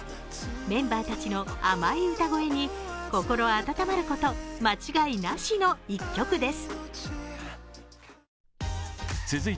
メンバーたちの甘い歌声に心温まること間違いなしの１曲です